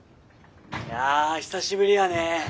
いや久しぶりやね。